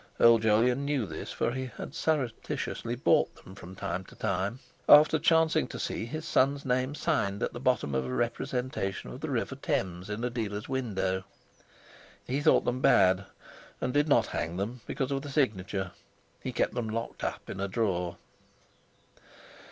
Old Jolyon knew this, for he had surreptitiously bought them from time to time, after chancing to see his son's name signed at the bottom of a representation of the river Thames in a dealer's window. He thought them bad, and did not hang them because of the signature; he kept them locked up in a drawer.